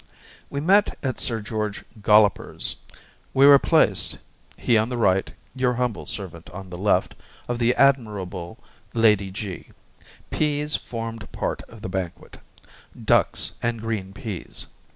We met at Sir George Golloper's. We were placed, he on the right, your humble servant on the left of the admirable Lady G.. Peas formed part of the banquet ducks and green peas.